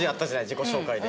自己紹介で。